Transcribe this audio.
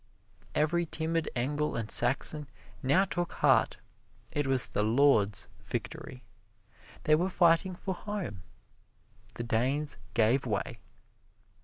Every timid Engle and Saxon now took heart it was the Lord's victory they were fighting for home the Danes gave way.